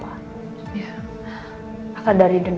akar dari denam ini juga karena dari om irvan kan